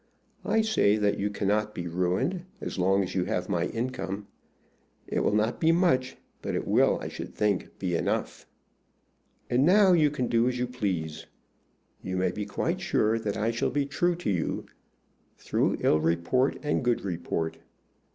I say that you cannot be ruined as long as you have my income. It will not be much, but it will, I should think, be enough. "And now you can do as you please. You may be quite sure that I shall be true to you, through ill report and good report.